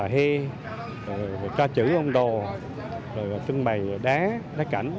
hê ca chữ hôn đồ trưng bày đá đá cảnh